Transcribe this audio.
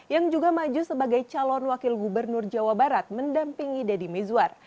yang juga maju sebagai calon wakil gubernur jawa barat mendampingi deddy mizwar